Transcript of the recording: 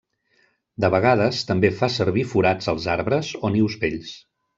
De vegades també fa servir forats als arbres o nius vells.